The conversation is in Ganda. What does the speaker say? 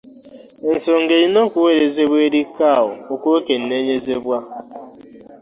Ensonga erina okuweerezebwa eri CAO okwekennenyezebwa.